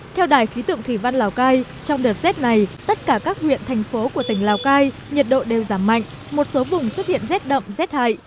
theo đài khí tượng thủy văn lào cai trong đợt rét này tất cả các huyện thành phố của tỉnh lào cai nhiệt độ đều giảm mạnh một số vùng xuất hiện rét đậm rét hại